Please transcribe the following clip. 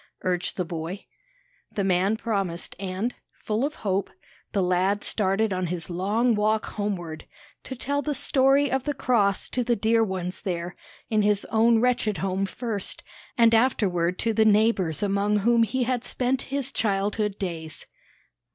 urged the boy. The man promised; and, full of hope, the lad started on his long walk homeward, to tell the story of the cross to the dear ones there, in his own wretched home first, and afterward to the neighbors among whom he had spent his childhood days.